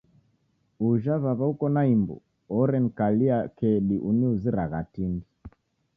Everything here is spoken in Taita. Uja w'aw'a uko na imbu, orenikalia kedi uniuziragha tindi.